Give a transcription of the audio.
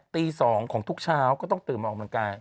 ตี๒ของทุกเช้าก็ต้องตื่นมาออกกำลังกาย